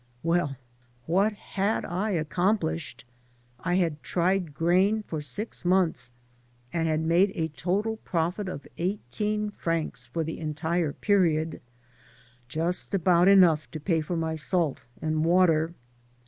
Well, what had I accomplished? I had tried grain for six months and had made a total profit of eighteen francs for the entire period — ^just about enough to pay for my salt and water.